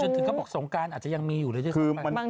ถึงเขาบอกสงการอาจจะยังมีอยู่หรือยัง